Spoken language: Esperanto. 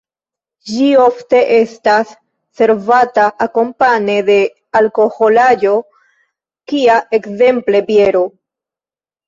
Ĝi ofte estas servata akompane de alkoholaĵo kia ekzemple biero.